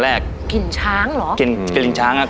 เวลาแต่สะ